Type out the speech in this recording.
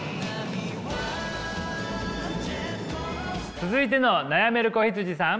続いての悩める子羊さん。